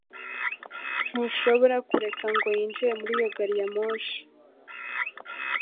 Ntushobora kureka ngo yinjire muri iyo gari ya moshi